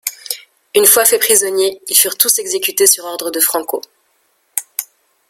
Une fois faits prisonniers, ils furent tous exécutés sur ordre de Franco.